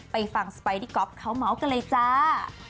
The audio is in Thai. ไปฟังสไปดี้ก๊อฟเขาเมาส์กันเลยจ้า